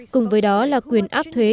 cùng với đó là quyền áp thuế